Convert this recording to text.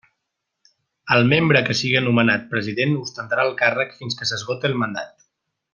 El membre que siga nomenat president ostentarà el càrrec fins que s'esgote el mandat.